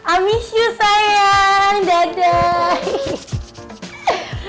i miss you sayang dadah